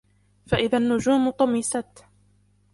فإذا النجوم طمست